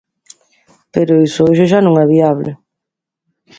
Pero iso hoxe xa non é viable.